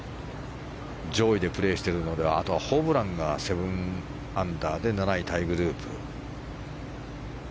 上位でプレーしているのはあとはホブランが７アンダーで７位タイグループ。